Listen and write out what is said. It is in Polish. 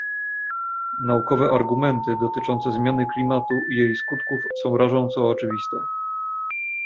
Naukowe argumenty dotyczące zmiany klimatu i jej skutków są rażąco oczywiste